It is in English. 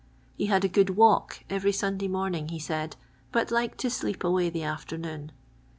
He had a good walk every Sunday morning, he said, but liked to sleep away the afternoon.